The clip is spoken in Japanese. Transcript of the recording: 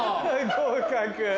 合格。